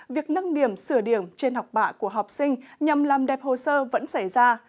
việc nâng điểm sửa điểm trên học bạ của học sinh nhằm làm đẹp hồ sơ vẫn xảy ra